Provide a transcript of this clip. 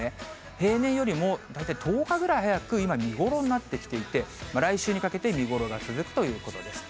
平年よりも大体１０日ぐらい早く、今、見頃になってきていて、来週にかけて見頃が続くということです。